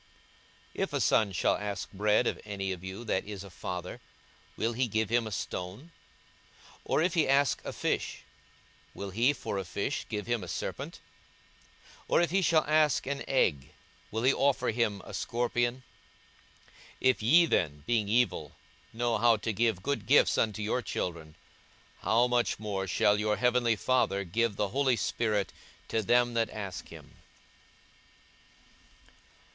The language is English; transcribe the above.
42:011:011 If a son shall ask bread of any of you that is a father, will he give him a stone? or if he ask a fish, will he for a fish give him a serpent? 42:011:012 Or if he shall ask an egg, will he offer him a scorpion? 42:011:013 If ye then, being evil, know how to give good gifts unto your children: how much more shall your heavenly Father give the Holy Spirit to them that ask him?